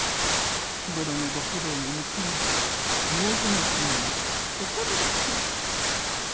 日頃のご苦労に報いる瑤泉院の志です」。